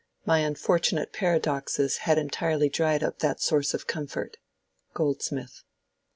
My unfortunate paradoxes had entirely dried up that source of comfort.—GOLDSMITH.